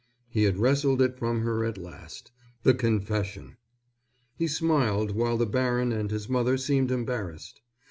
He had wrested it from her at last the confession! He smiled, while the baron and his mother seemed embarrassed.